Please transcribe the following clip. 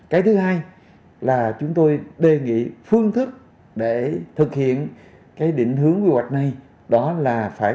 cái thứ hai là chúng tôi đề nghị phương thức để thực hiện cái định hướng quy hoạch này đó là phải